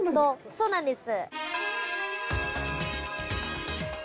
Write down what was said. そうなんです。